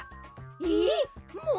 ええっもう？